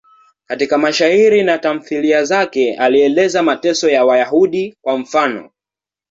Katika mashairi na tamthiliya zake alieleza mateso ya Wayahudi, kwa mfano.